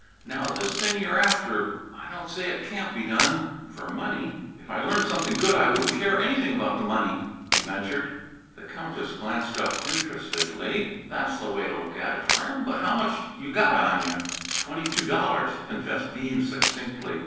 Now this thing you're after I don't say it can't be done f'r money." "If I learned something good, I wouldn't care anything about the money," he ventured. The Countess glanced up interestedly. "That's the way to look at it, friend, but how much you got on you?" "Twenty two dollars," confessed Bean succinctly.